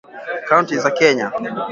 kaunti za kenya